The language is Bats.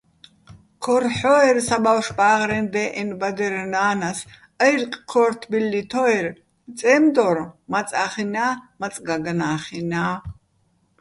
ქორ ჰ̦ო́ერ საბავშვ ბა́ღრეჼ დე́ჸენო̆ ბადერ ნა́ნას, აჲრკი̆ ქო́რთო̆ ბილლითო́ერ, წემდო́რ მაწა́ხინა́, მაწ გაგნა́ხინა́.